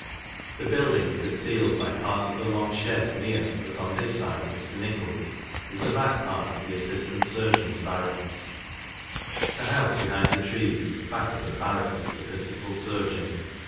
The buildings concealed by part of the long shed near, but on this side Mr. Nichols's, is the back part of the Assistant Surgeon's Barracks. The house behind the trees is the back of the Barracks of the principal Surgeon.